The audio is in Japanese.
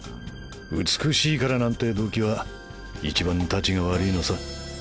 美しいからなんて動機は一番タチが悪いのさ。